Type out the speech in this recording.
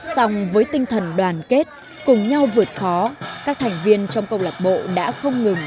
xong với tinh thần đoàn kết cùng nhau vượt khó các thành viên trong câu lạc bộ đã không ngừng